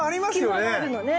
隙間があるのね。